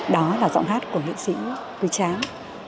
đó là giọng hát của nghệ sĩ quý tráng